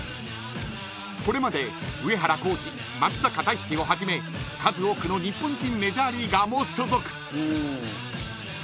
これまで上原浩治松坂大輔をはじめ数多くの日本人メジャーリーガーも所属。